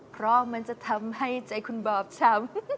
เพราะมันจะทำให้ใจคุณบอบช้ำ